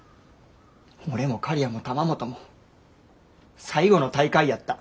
俺も刈谷も玉本も最後の大会やった。